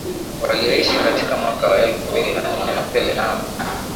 Walioishi katika mwaka wa elfu mbili na nne na Pelé na